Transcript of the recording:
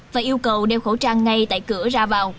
và yêu cầu đeo khẩu trang ngay tại cửa ra vào